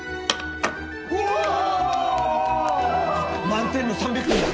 満点の３００点だ。